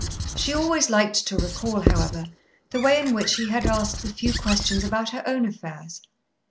She always liked to recall, however, the way in which he had asked the few questions about her own affairs.